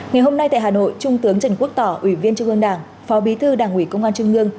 ngày hôm nay tại hà nội trung tướng trần quốc tỏ ủy viên trung ương đảng phó bí thư đảng ủy công an trung ương